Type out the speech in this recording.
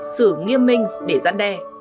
sự nghiêm minh để giãn đe